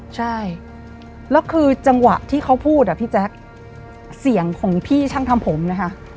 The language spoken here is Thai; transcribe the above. ใช่แล้วคือจังหวะที่เขาพูดอ่ะพี่แจ๊คเสียงของพี่ช่างทำผมนะคะ